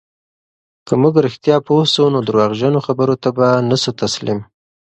که موږ رښتیا پوه سو، نو درواغجنو خبرو ته به نه سو تسلیم.